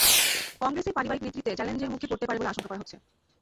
কংগ্রেসের পারিবারিক নেতৃত্ব চ্যালেঞ্জের মুখে পড়তে পারে বলে আশঙ্কা করা হচ্ছে।